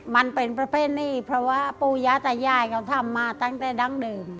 มันเป็นประเภทนี้เพราะว่าปูย้าตายายเขาทำมาตั้งแต่ดั้งเดิม